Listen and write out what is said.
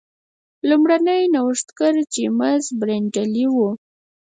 لومړنی نوښتګر جېمز برینډلي و.